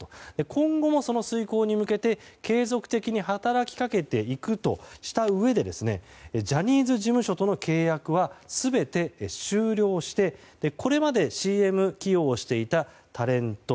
今後も、その遂行に向けて継続的に働きかけていくとしたうえでジャニーズ事務所との契約は全て終了してこれまでＣＭ起用をしていたタレント